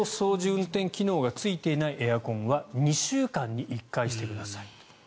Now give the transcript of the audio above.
運転機能がついていないエアコンは２週間に１回してください。